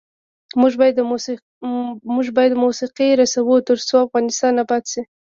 موږ باید موسیقي رسوو ، ترڅو افغانستان اباد شي.